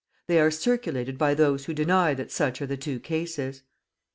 They are circulated by those who deny that such are the two cases.